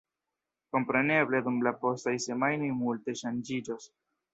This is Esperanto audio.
Kompreneble dum la postaj semajnoj multe ŝanĝiĝos.